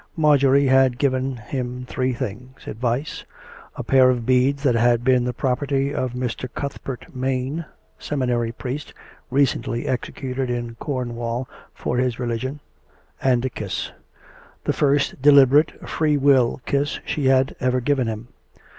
Marjorie had given him three things — advice; a pair of beads that had been the property of Mr. Cuthbert Maine, seminary priest, recently executed in Cornwall for his religion; and a kiss — the first deliberate, free will kisrs she had ever given him.